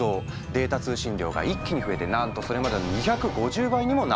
データ通信量が一気に増えてなんとそれまでの２５０倍にもなっていた。